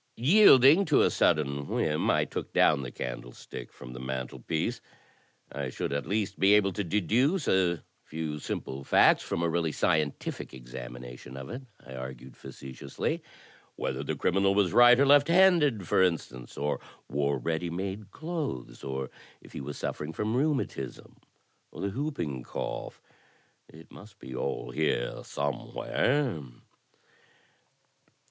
Yielding to a sudden whim, I took down the candlestick from the mantelpiece. ''I should at least be able to deduce a few simple facts from a really scientific examination of it," I argued, facetiously — "whether the criminal was right or left handed, for instance, or wore ready made clothes, or if he was suffering from rheumatism or the whoop ing cough. It must be all here somewhere."